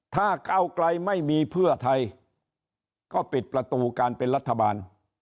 ถ้าเก้าไกลไม่มีเพื่อไทยก็ปิดประตูการเป็นรัฐบาล